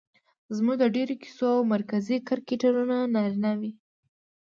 زموږ د ډېرو کيسو مرکزي کرکټرونه نارينه وي